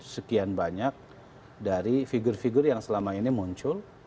sekian banyak dari figur figur yang selama ini muncul